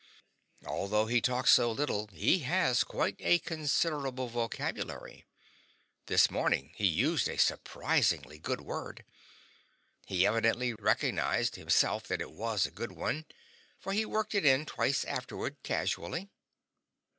Although he talks so little, he has quite a considerable vocabulary. This morning he used a surprisingly good word. He evidently recognized, himself, that it was a good one, for he worked it in twice afterward, casually.